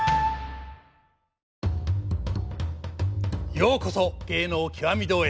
ようこそ「芸能きわみ堂」へ。